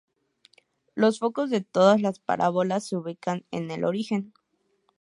Los focos de todas las parábolas se ubican en el origen.